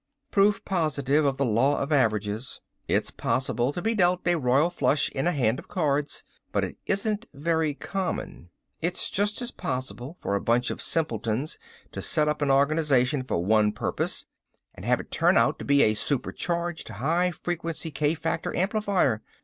"Proof positive of the law of averages. It's possible to be dealt a royal flush in a hand of cards, but it isn't very common. It's just as possible for a bunch of simpletons to set up an organization for one purpose, and have it turn out to be a supercharged, high frequency k factor amplifier.